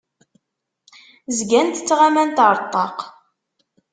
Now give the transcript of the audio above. Zgant ttɣamant ar ṭṭaq.